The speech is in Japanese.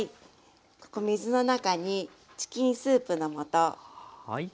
ここ水の中にチキンスープの素。